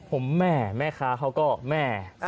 ผมแม่แม่ค้าเขาก็แม่